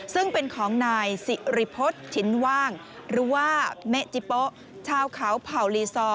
ซึ่งเป็นของนายสิริพฤษชินว่างหรือว่าเมจิโป๊ชาวเขาเผ่าลีซอร์